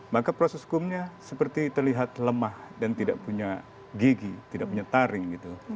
maka proses hukumnya seperti terlihat lemah dan tidak punya gigi tidak punya taring gitu